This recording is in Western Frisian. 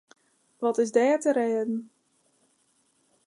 Wat is der te rêden?